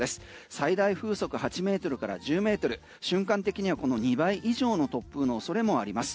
最大風速８ｍから１０ｍ瞬間的にはこの２倍以上の突風の恐れもあります。